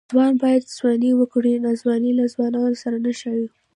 ځوان باید ځواني وکړي؛ ناځواني له ځوانانو سره نه ښايي.